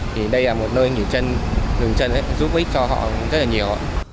thì đây là một nơi nghỉ chân mừng chân giúp ích cho họ rất là nhiều